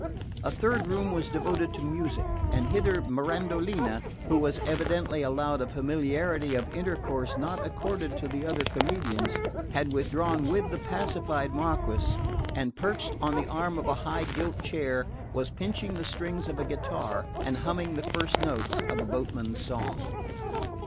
A third room was devoted to music; and hither Mirandolina, who was evidently allowed a familiarity of intercourse not accorded to the other comedians, had withdrawn with the pacified Marquess, and perched on the arm of a high gilt chair was pinching the strings of a guitar and humming the first notes of a boatman's song...